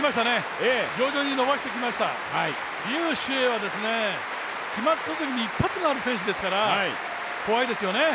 徐々に伸ばしてきました、劉詩穎選手は決まったときに一発がある選手ですから怖いですよね。